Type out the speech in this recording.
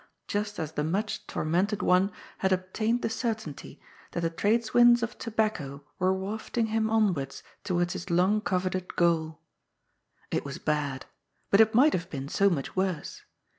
Just as the much tormented one had obtained the certainty that the trades winds of tobacco were wafting him onwards towards his long coveted goal. It was bad, but it might have been so much worse.